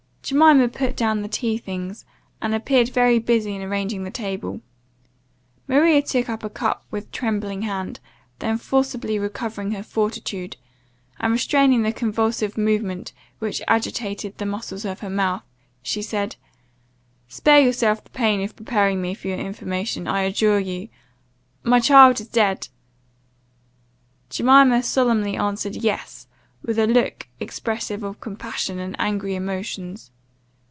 Jemima put down the tea things, and appeared very busy in arranging the table. Maria took up a cup with trembling hand, then forcibly recovering her fortitude, and restraining the convulsive movement which agitated the muscles of her mouth, she said, "Spare yourself the pain of preparing me for your information, I adjure you! My child is dead!" Jemima solemnly answered, "Yes;" with a look expressive of compassion and angry emotions.